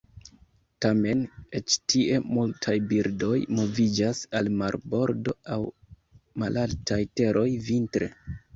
Tamen eĉ tie multaj birdoj moviĝas al marbordo aŭ malaltaj teroj vintre.